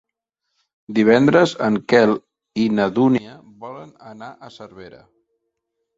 Divendres en Quel i na Dúnia volen anar a Cervera.